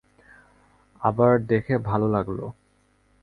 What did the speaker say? আবার দেখে ভালো লাগলো।